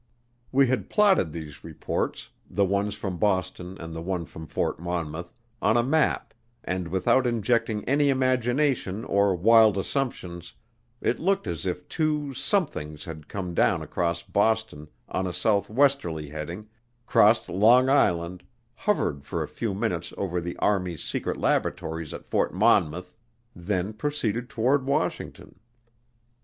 We had plotted these reports, the ones from Boston and the one from Fort Monmouth, on a map, and without injecting any imagination or wild assumptions, it looked as if two "somethings" had come down across Boston on a southwesterly heading, crossed Long Island, hovered for a few minutes over the Army's secret laboratories at Fort Monmouth, then proceeded toward Washington.